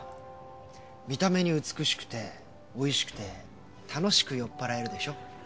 見た目に美しくておいしくて楽しく酔っぱらえるでしょ？